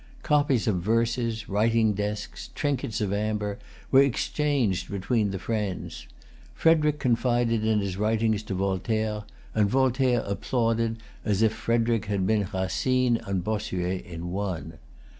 Copies of verses, writing desks, trinkets of amber, were exchanged between the friends. Frederic confided his writings to Voltaire; and Voltaire applauded, as if Frederic had been Racine and Bossuet in one.